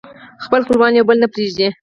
خپل خپلوان يو بل نه پرېږدي